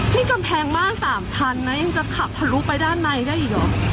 นี่กำแพงบ้าน๓ชั้นนะยังจะขับทะลุไปด้านในได้อีกเหรอ